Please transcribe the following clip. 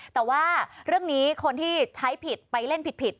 แต่ว่าเรื่องนี้คนที่ใช้ผิดไปเล่นผิด